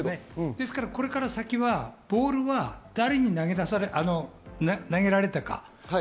これから先、ボールは誰に投げられたか。